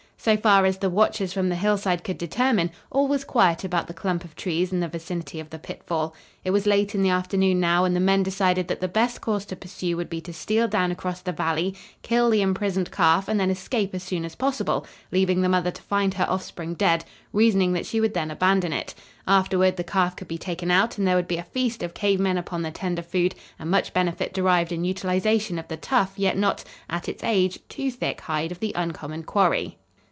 So far as the watchers from the hillside could determine, all was quiet about the clump of trees and the vicinity of the pitfall. It was late in the afternoon now and the men decided that the best course to pursue would be to steal down across the valley, kill the imprisoned calf and then escape as soon as possible, leaving the mother to find her offspring dead; reasoning that she would then abandon it. Afterward the calf could be taken out and there would be a feast of cave men upon the tender food and much benefit derived in utilization of the tough yet not, at its age, too thick hide of the uncommon quarry.